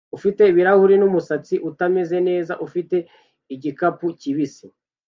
ufite ibirahure numusatsi utameze neza ufite igikapu kibisi